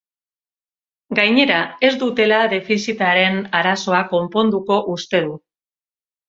Gainera, ez dutela defizitaren arazoa konponduko uste du.